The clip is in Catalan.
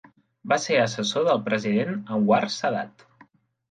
Va ser assessor del president Anwar Sadat.